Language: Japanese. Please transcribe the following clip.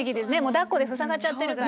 だっこで塞がっちゃってるから。